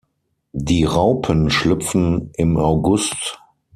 Die Raupen schlüpfen im August.